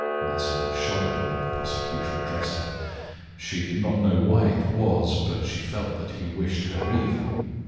Maslova shuddered when the prosecutor addressed her; she did not know why it was, but she felt that he wished her evil.